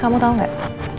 kamu tau gak